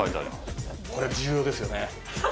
これ重要ですよね？